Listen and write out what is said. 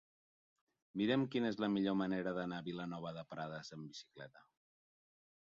Mira'm quina és la millor manera d'anar a Vilanova de Prades amb bicicleta.